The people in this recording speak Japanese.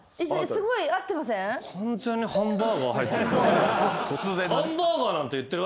完全にハンバーガー入ってる。